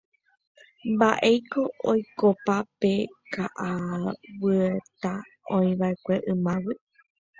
mba'éiko oikopa pe ka'aguyeta oĩva'ekue ymágui